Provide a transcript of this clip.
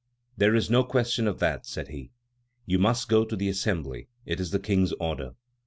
"There is no question of that," said he; "you must go to the Assembly; it is the King's order."